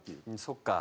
そっか。